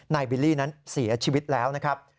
บิลลี่นั้นเสียชีวิตแล้วนะครับ